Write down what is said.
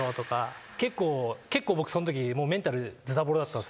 結構僕そのときメンタルズタボロだったんですよ。